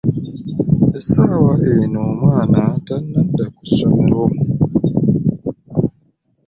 Essaawa eno omwana tannadda ku ssomero!